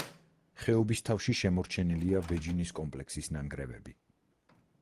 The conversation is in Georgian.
ხეობის თავში შემორჩენილია ვეჯინის კომპლექსის ნანგრევები.